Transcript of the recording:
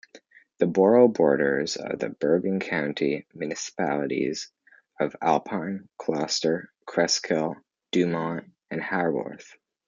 The borough borders the Bergen County municipalities of Alpine, Closter, Cresskill, Dumont and Haworth.